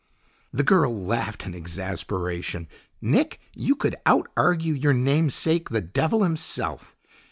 The girl laughed in exasperation. "Nick, you could out argue your name sake, the Devil himself!